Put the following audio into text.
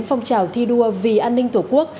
phong trào thi đua vì an ninh tổ quốc